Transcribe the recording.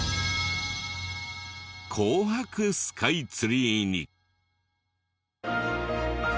紅白スカイツリーに。